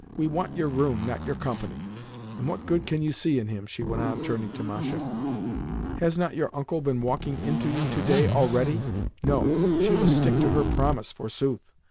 We want your room, not your company. And what good can you see in him?" she went on, turning to Masha. "Has not your uncle been walking into you to day already? No; she must stick to her promise, forsooth!